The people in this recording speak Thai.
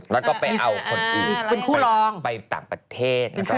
แล้วก็ไปเอาคนอื่นไปต่างประเทศ